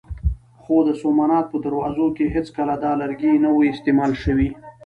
خو د سومنات په دروازو کې هېڅکله دا لرګی نه و استعمال شوی.